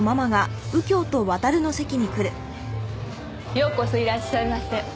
ようこそいらっしゃいませ。